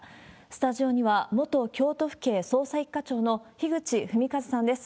スタジオには、元京都府警捜査一課長の樋口文和さんです。